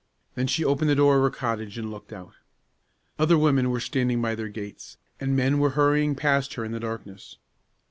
Then she opened the door of her cottage and looked out. Other women were standing by their gates, and men were hurrying past her in the darkness.